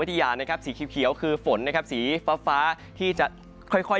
ทยานะครับสีเขียวคือฝนนะครับสีฟ้าที่จะค่อย